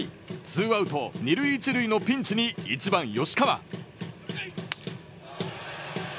ツーアウト２塁１塁のピンチに１番吉川。